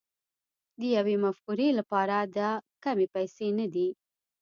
د يوې مفکورې لپاره دا کمې پيسې نه دي